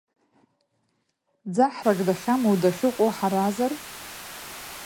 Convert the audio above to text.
Ӡаҳрас дахьамоу, дахьыҟоу харазар?